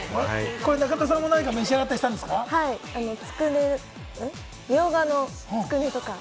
中田さんも何か召し上がったミョウガのつくねとか。